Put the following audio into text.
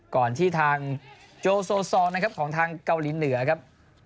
ก่อนที่ทางโจโซซองนะครับของทางเกาหลีเหนือครับ